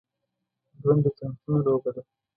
ژوند د چانسونو لوبه ده.